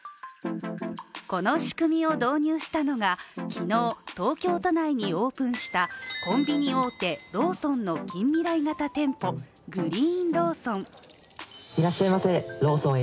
この仕組みを導入したのが、昨日東京都内にオープンしたコンビニ大手、ローソンの近未来型店舗、グリーンローソン。